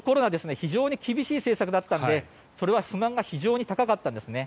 非常に厳しい政策だったのでそれは不満が非常に高かったんですね。